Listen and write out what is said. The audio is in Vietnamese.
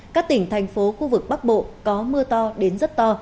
các tỉnh thành phố khu vực bắc bộ có mưa to đến rất to